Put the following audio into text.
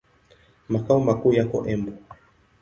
Makao makuu yako Embu.